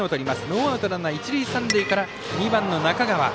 ノーアウトランナー、一塁三塁から２番の中川。